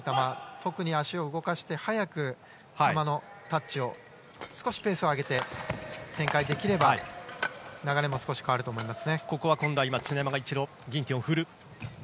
特に足を動かして早く、球のタッチを少しペースを上げて展開できれば流れも少し変わると思います。